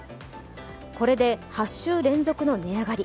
これで８週連続の値上がり。